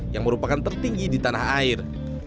yang merupakan tertinggi di tanah air